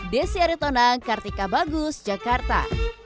desi aritona kartika bagus jakarta